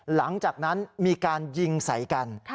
หลังจากนั้นมีการยิงใส่กัน